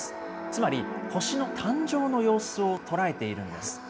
つまり、星の誕生の様子を捉えているんです。